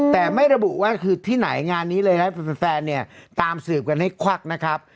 แต่ไม่ระบุว่าคือที่ไหนงานนี้เลยนะแฟนเนี่ยตามสืบกันให้ควักนะครับ